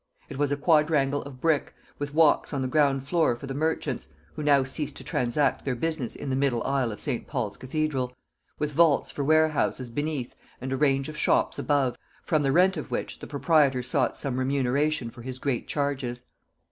It was a quadrangle of brick, with walks on the ground floor for the merchants, (who now ceased to transact their business in the middle aisle of St. Paul's cathedral,) with vaults for warehouses beneath and a range of shops above, from the rent of which the proprietor sought some remuneration for his great charges.